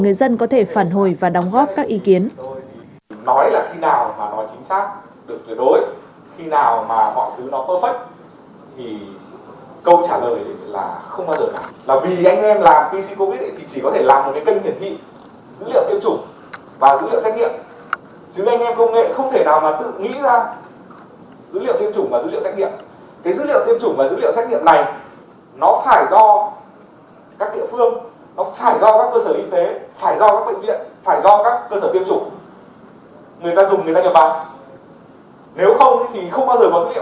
nếu không thì không bao giờ có dữ liệu cả